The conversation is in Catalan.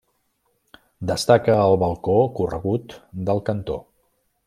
Destaca el balcó corregut del cantó.